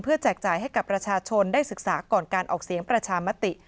แจกจ่ายให้กับประชาชนได้ศึกษาก่อนการออกเสียงประชามติ